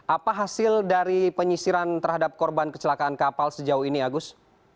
apa hasil dari penyisiran terhadap korban kecelakaan kapal sejauh ini agus